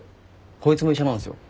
こいつも医者なんすよ。